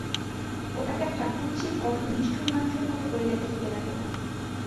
ওটাকে একটা কুৎসিত কঠোর নিষ্ঠুর মানুষের মতো করিয়া দেখিতে লাগিল।